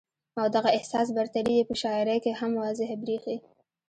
او دغه احساس برتري ئې پۀ شاعرۍ کښې هم واضحه برېښي